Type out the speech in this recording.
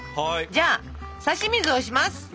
じゃあさし水をします！